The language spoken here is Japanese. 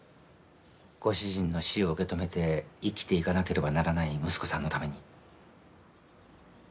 ご主人の死を受け止めて生きていかなければならない息子さんのために。